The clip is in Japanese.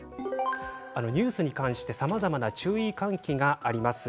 ニュースに関してさまざまな注意喚起があります。